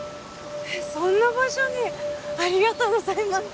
えっそんな場所にありがとうございます。